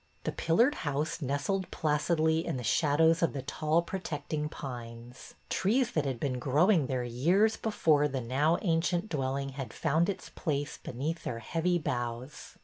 The pillared house nestled placidly in *the shadows of the tall protecting pines, — trees that had been growing there years before the now ancient dwelling had found its place beneath their heavy boughs.